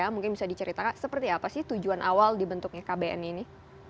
mungkin bisa diceritakan seperti apa sih tujuan awal dibentuknya kbn ini